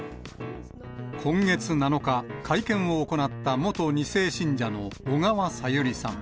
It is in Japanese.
今月７日、会見を行った元２世信者の小川さゆりさん。